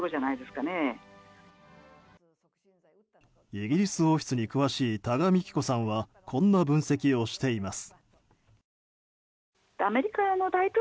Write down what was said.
イギリス王室に詳しい多賀幹子さんはこんな分析をしています。